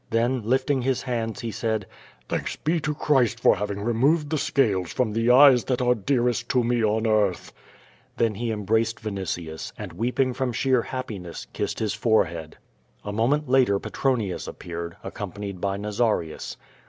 Then, lifting his hands, he said: "Thanks be to Christ for having removed the scales from the eyes that are dearest to me on earth.'* Then he embraced Vinitius, and, weeping from sheer happiness, kissed his forehead. A moment later Petronius appeared, accompanied by Naza rius.